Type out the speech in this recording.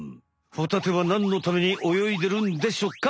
ホタテは何のために泳いでるんでしょうか？